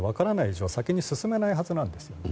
以上先に進めないはずなんです。